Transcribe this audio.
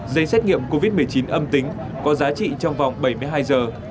giấy xét nghiệm covid một mươi chín âm tính có giá trị trong vòng bảy mươi hai giờ